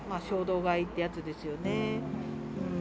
衝動買いってやつですよね。